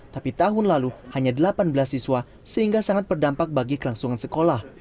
tapi tahun lalu hanya delapan belas siswa sehingga sangat berdampak bagi kelangsungan sekolah